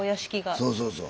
そうそうそう。